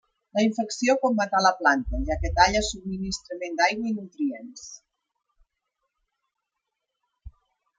La infecció pot matar la planta, ja que talla el subministrament d'aigua i nutrients.